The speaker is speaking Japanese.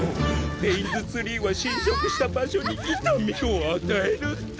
ペインズツリーは侵食した場所に痛みを与えるんだ。